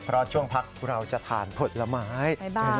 เพราะช่วงพักเราจะทานผลไม้